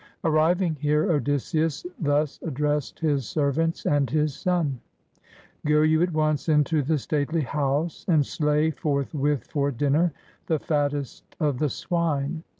Arri\ing here, Odysseus thus addressed his serv ants and his son :—*' Go you at once into the stately house and slay forth with for dinner the fattest of the swine.